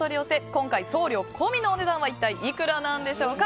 今回送料込みのお値段は一体いくらなのでしょうか。